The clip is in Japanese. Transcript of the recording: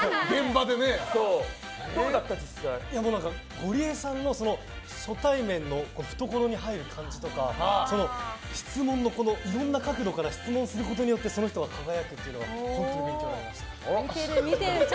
ゴリエさんの初対面の懐に入る感じとかいろんな角度から質問することによってその人が輝くというのが本当に勉強になりました。